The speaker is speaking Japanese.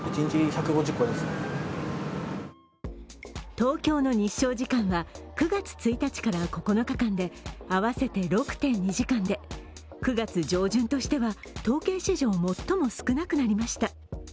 東京の日照時間は９月１日から９日間で合わせて６．２時間で９月上旬としては統計史上、最も少なくなりました。